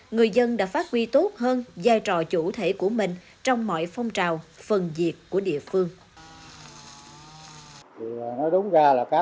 người dân đã phát huy tốt hơn giai trò chủ thể của mình trong mọi phong trào phần việc của địa phương